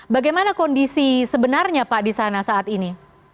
bagaimana kondisi sebenarnya pak di sana saat ini